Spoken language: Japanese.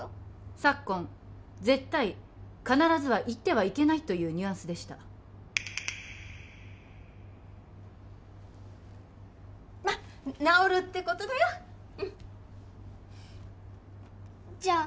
昨今「絶対」「必ず」は言ってはいけないというニュアンスでしたまっ治るってことだようんじゃあ